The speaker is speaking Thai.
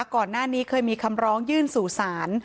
ก่อนหน้านี้เคยมีคำร้องยื่นสู่ศาล